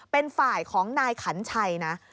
เป็นฝ่ายของนายขันชัยนะ